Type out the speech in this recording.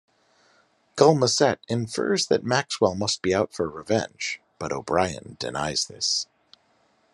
Gul Macet infers that Maxwell must be out for revenge, but O'Brien denies this.